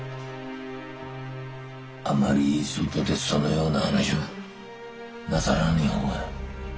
あまり外でそのような話はなさらねえ方が。